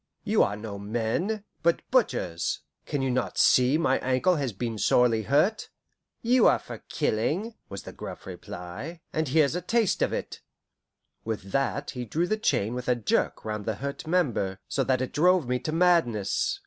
"You are no men, but butchers. Can you not see my ankle has been sorely hurt?" "You are for killing," was the gruff reply, "and here's a taste of it." With that he drew the chain with a jerk round the hurt member, so that it drove me to madness.